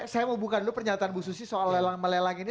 kita hubungkan dulu pernyataan bu susi soal lelang melelang ini